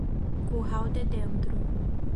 Curral de Dentro